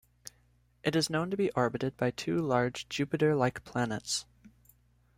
It is known to be orbited by two large Jupiter-like planets.